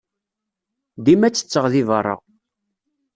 Dima ttetteɣ deg beṛṛa.